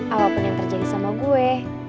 apapun yang terjadi sama gue